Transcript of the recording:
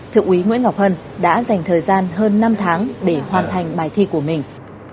thượng úy nguyễn ngọc hân đã dành thời gian hơn năm tháng để hoàn thành bài thi của mình